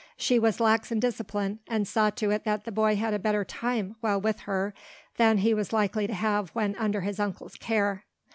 She was lax in discipline and saw to it that the boy had a better time while with her than he was likely to have when under his uncle's care.